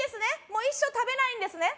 もう一生食べないんですね